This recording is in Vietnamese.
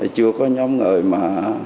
chưa có nhóm người mà